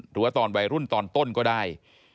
หรือว่าตอนวัยรุ่นตอนต้นก็ได้